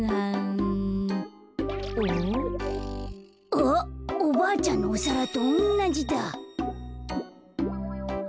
あっおばあちゃんのおさらとおんなじだ。